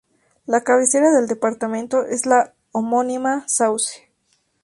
La cabecera del departamento es la homónima Sauce.